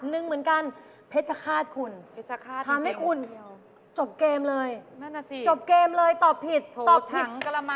แหมถ้าได้ใช้ก็เนาะ